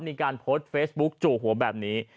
มีการโพสต์เฟซบุ๊คจู่หัวแบบนี้